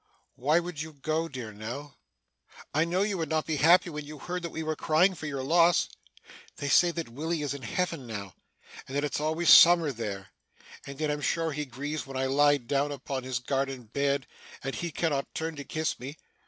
'Why would you go, dear Nell? I know you would not be happy when you heard that we were crying for your loss. They say that Willy is in Heaven now, and that it's always summer there, and yet I'm sure he grieves when I lie down upon his garden bed, and he cannot turn to kiss me.